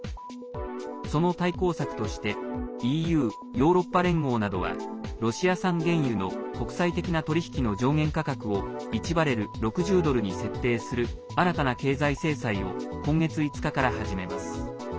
その対抗策としてＥＵ＝ヨーロッパ連合などはロシア産原油の国際的な取り引きの上限価格を１バレル＝６０ドルに設定する新たな経済制裁を今月５日から始めます。